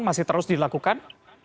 masih terus diberikan